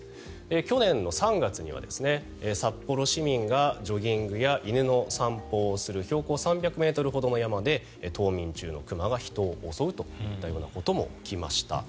去年の３月には札幌市民がジョギングや犬の散歩をする標高３００ｍほどの山で冬眠中の熊が人を襲うといったことも起きました。